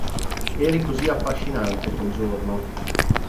Eri così affascinante quel giorno.